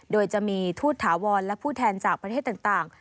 โดยจะมีทูตถาวรและผู้แทนจากประเทศต่าง